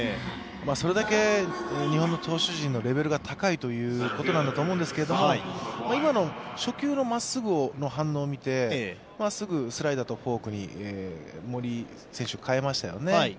それだけ日本の投手陣のレベルが高いということなんだと思うんですけど、今の初球のまっすぐの反応を見てすぐスライダーとフォークに森選手変えましたよね。